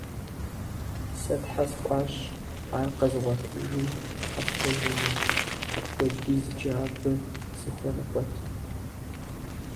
Сэ тхьэ сӀуащ ар къэзгъуэтыжу къэсхьыжыну, апхуэдизкӀэ абы сыхуэныкъуэти.